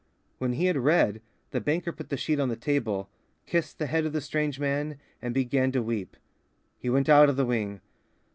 When he had read, the banker put the sheet on the table, kissed the head of the strange man, and began to weep. He went out of the wing.